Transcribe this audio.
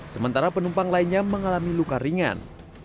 sementara penumpang lainnya mengalami luka ringan